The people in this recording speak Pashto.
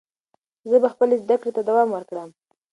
زه به خپلې زده کړې ته دوام ورکړم.